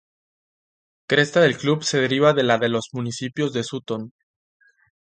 Cresta del club se deriva de la de los Municipio de Sutton.